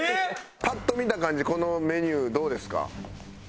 パッと見た感じこのメニューどうですか？